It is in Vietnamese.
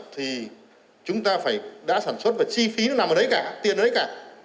thì chúng ta phải đã sản xuất và chi phí nó nằm ở đấy cả tiền đấy cả